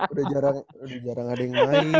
udah jarang ada yang lain